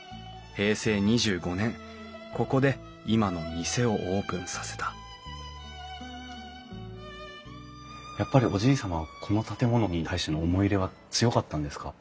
平成２５年ここで今の店をオープンさせたやっぱりおじい様はこの建物に対しての思い入れは強かったんですか？